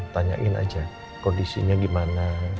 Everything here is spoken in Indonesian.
tanyain aja kondisinya gimana